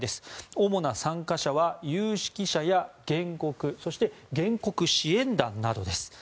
主な参加者は有識者や原告そして原告支援団などです。